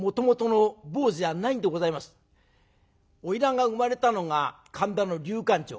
花魁が生まれたのが神田の竜閑町。